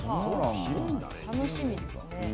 楽しみですね。